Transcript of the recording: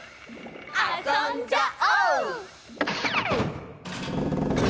あそんじゃおう！